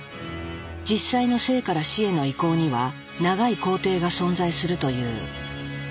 実際の生から死への移行には長い行程が存在するという。